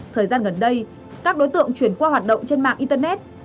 thời gian gần đây các đối tượng chuyển qua hoạt động trên mạng internet